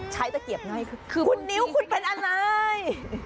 ตะเกียบง่ายคือคุณนิ้วคุณเป็นอะไร